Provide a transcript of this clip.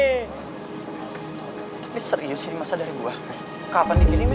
tapi serius ini masa dari gua kapan dikirimnya